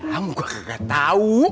kamu kagak tau